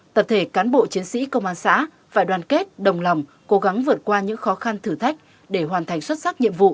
tập thể cán bộ chiến sĩ công an xã phải đoàn kết đồng lòng cố gắng vượt qua những khó khăn thử thách để hoàn thành xuất sắc nhiệm vụ